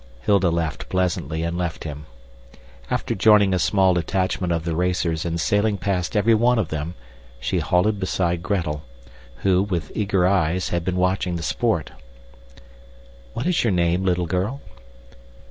Hilda laughed pleasantly and left him. After joining a small detachment of the racers and sailing past every one of them, she halted beside Gretel, who, with eager eyes, had been watching the sport. "What is your name, little girl?"